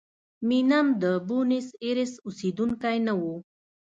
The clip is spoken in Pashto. مینم د بونیس ایرس اوسېدونکی نه و.